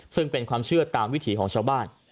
ซึ่งเป็นความเชื่อตามวิถีของชาวบ้าน